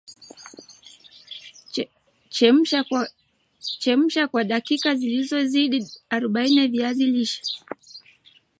Chemsha kwa dakika zisizozidi arobaini viazi lishe